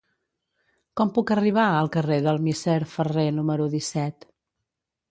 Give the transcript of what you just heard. Com puc arribar al carrer del Misser Ferrer número disset?